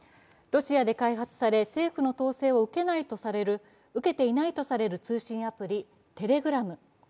ロシアで開発され政府の統制を受けていないとされる通信アプリ、テレグラム。